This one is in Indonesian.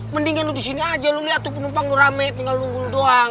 mendingan lu disini aja lu liat tuh penumpang lu rame tinggal lu tunggu lu doang